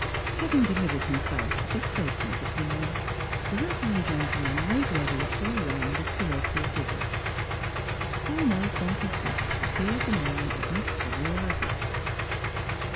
Having delivered him self of this sapient opinion, the reverend gentleman made ready for a round of parochial visits. Foremost on his list appeared the name of Miss Philura Rice.